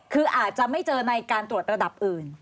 คืออาจจะไม่เจอในการตรวจระดับอื่น